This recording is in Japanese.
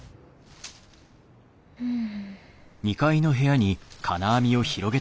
うん。